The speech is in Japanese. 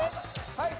はい。